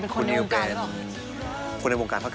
เมื่อวานเราเจอกันไปแล้ว